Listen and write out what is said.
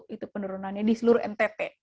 itu penurunannya di seluruh ntt